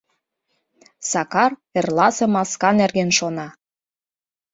Сакар эрласе маска нерген шона.